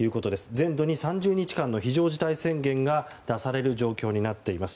全土に３０日間の非常事態宣言が出される状況になっています。